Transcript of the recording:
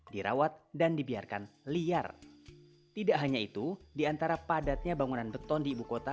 dirawat dan dibiarkan liar tidak hanya itu diantara padatnya bangunan beton di ibu kota